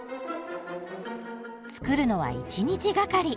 作るのは１日がかり。